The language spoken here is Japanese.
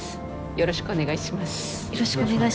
よろしくお願いします。